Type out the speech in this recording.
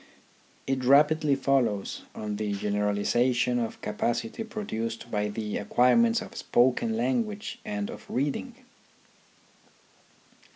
It rapidly follows on the generalization of capacity produced by the acquire ments of spoken language and of reading.